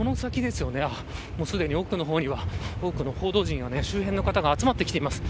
すでに奥の方には多くの報道陣が、周辺の方が集まってきています。